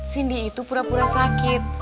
cindy itu pura pura sakit